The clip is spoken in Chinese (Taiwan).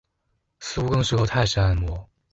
似乎更適合泰式按摩